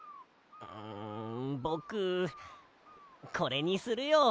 んぼくこれにするよ。